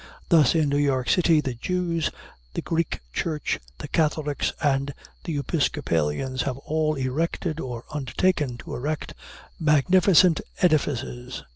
Thus, in New York city, the Jews, the Greek Church, the Catholics, and the Episcopalians have all erected, or undertaken to erect, magnificent edifices.